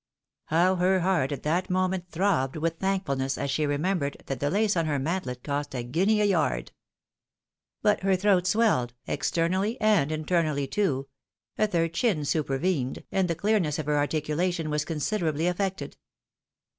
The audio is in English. How her heart at that moment throbbed with thankfulness as she remembered that the lace on her mantlet cost a guinea a yard ! But her throat swelled, externally and internally too ; a third chin supervened, and the clearness of her articulation was considerably affected.